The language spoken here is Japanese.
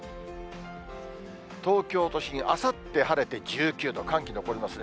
東京都心、あさって晴れて１９度、寒気残りますね。